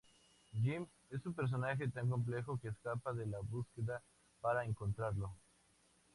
Jim es un personaje tan complejo que escapa de la búsqueda para encontrarlo.